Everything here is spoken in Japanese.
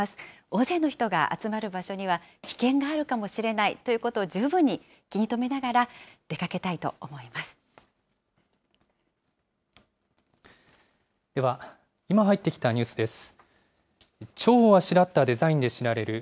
大勢の人が集まる場所には危険があるかもしれないということを十分に気に留めながら、出かけたいでは、今入ってきたニュースです。